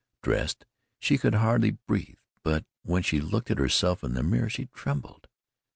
Dressed, she could hardly breathe, but when she looked at herself in the mirror, she trembled.